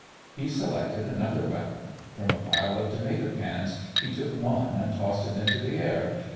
He selected another weapon. From a pile of tomato cans he took one and tossed it into the air.